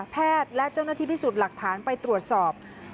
และเจ้าหน้าที่พิสูจน์หลักฐานไปตรวจสอบ